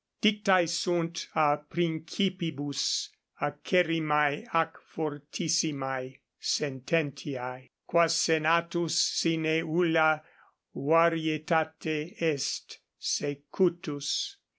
Dictae sunt a principibus acerrimae ac fortissimae sententiae, quas senatus sine ulla varietate est secutus.